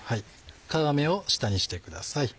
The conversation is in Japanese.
皮目を下にしてください。